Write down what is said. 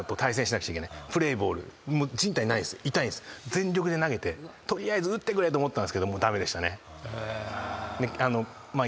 全力で投げて「取りあえず打ってくれ」と思ったんですけど駄目でしたね。